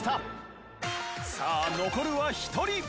さあ残るは１人。